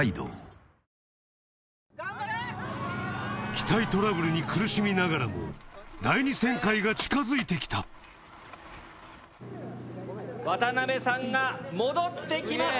機体トラブルに苦しみながらも第２旋回が近づいてきた渡邊さんが戻ってきました。